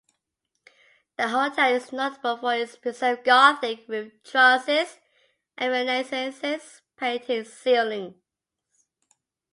The hotel is notable for its preserved Gothic roof trusses and Renaissance painted ceilings.